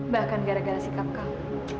bahkan gara gara sikap kau